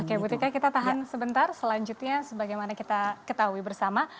oke butika kita tahan sebentar selanjutnya bagaimana kita ketahui bersama